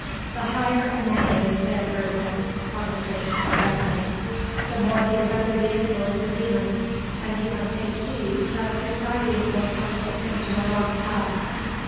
"The higher a man is," said Goethe (Conversations with Eckermann), "the more he is under the influence of dæmons, and he must take heed lest his guiding will counsel him to a wrong path."